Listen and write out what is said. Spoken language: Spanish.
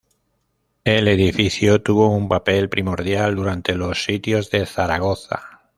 El edificio tuvo un papel primordial durante los Sitios de Zaragoza.